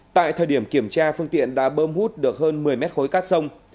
tại thời điểm kiểm tra phương tiện đã bơm hút được hơn một mươi mét khối cát sông